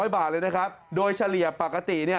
๕๐๐บาทเลยนะครับโดยเฉลี่ยปกติ